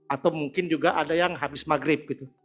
atau mungkin juga ada yang habis maghrib